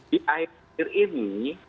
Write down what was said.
di akhir ini